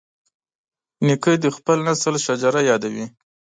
نیکه د خپل نسل شجره یادوي.